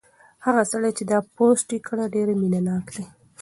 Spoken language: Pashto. هغه سړی چې دا پوسټ یې کړی ډېر مینه ناک دی.